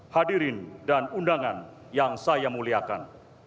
hadirin dan undangan yang saya muliakan